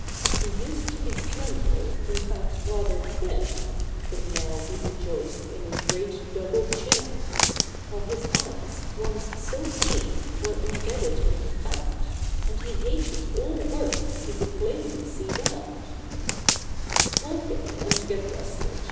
He used to be slender, in fact, rather thin ; But now he rejoiced in a great double chin ; While his eyes, once so keen, were embedded in fat, And he hated all work, you could plainly see that. THE COUSINS. 127 " Walk in and get rested.